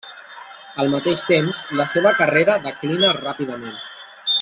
Al mateix temps, la seva carrera declina ràpidament.